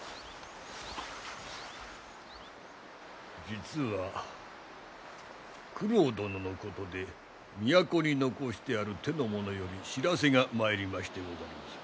実は九郎殿のことで都に残してある手の者より知らせが参りましてございます。